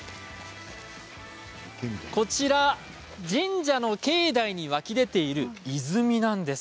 こちら、神社の境内に湧き出ている泉なんです。